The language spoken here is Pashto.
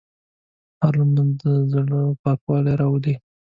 هره لمونځ د زړه پاکوالی راولي.